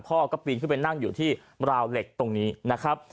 พ่อก็ปีนขึ้นไปนั่งอยู่ที่ราวเหล็กตรงนี้นะครับ